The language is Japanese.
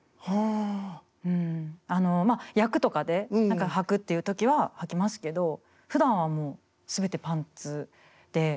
まあ役とかではくっていう時ははきますけどふだんはもう全てパンツで。